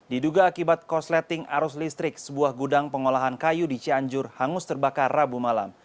diduga akibat korsleting arus listrik sebuah gudang pengolahan kayu di cianjur hangus terbakar rabu malam